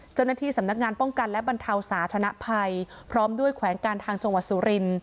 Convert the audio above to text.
เจ้าหน้าที่สำนักงานป้องกันและบรรเทาสาธนภัยพร้อมด้วยแขวงการทางจังหวัดสุริน